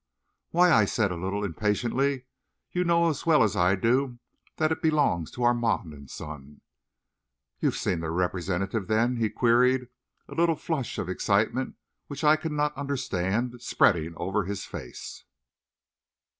"Why," I said, a little impatiently, "you know as well as I do that it belongs to Armand & Son." "You've seen their representative, then?" he queried, a little flush of excitement which I could not understand spreading over his face.